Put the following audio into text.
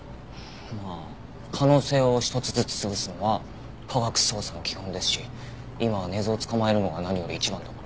まあ可能性を１つずつ潰すのは科学捜査の基本ですし今は根津を捕まえるのが何より一番だから。